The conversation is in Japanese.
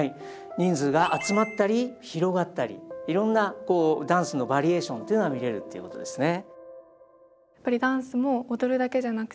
人数が集まったり広がったりいろんなダンスのバリエーションっていうのが見れるっていうことですね。